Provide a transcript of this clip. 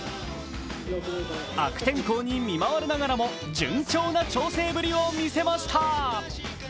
悪天候に見舞われながらも順調な調整ぶりを見せました。